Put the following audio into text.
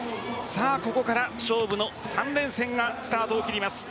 ここから勝負の３連戦がスタートを切ります。